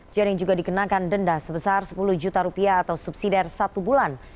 jering juga dikenakan denda sebesar sepuluh juta rupiah atau subsidi satu bulan